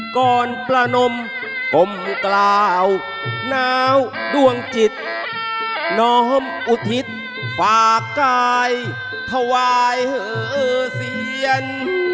ก่อนประนมก้มกล่าวน้าวดวงจิตน้อมอุทิศฝากกายถวายเสียง